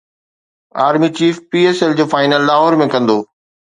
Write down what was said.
army chief P S L جو final Lahore ۾ ڪندو